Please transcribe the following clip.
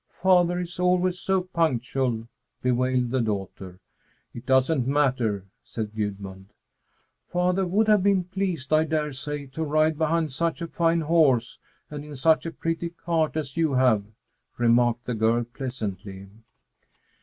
"Father is always so punctual!" bewailed the daughter. "It doesn't matter," said Gudmund. "Father would have been pleased, I dare say, to ride behind such a fine horse and in such a pretty cart as you have," remarked the girl pleasantly.